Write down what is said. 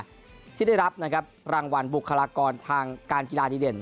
ที่ได้รับนะครับรางวัลบุคลากรทางการกีฬาดีเด่น